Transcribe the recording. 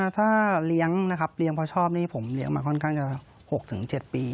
ถ้าเลี้ยงนะครับเลี้ยงเพราะชอบนี่ผมเลี้ยงมาค่อนข้างจะ๖๗ปี